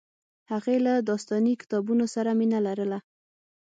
هغې له داستاني کتابونو سره مینه لرله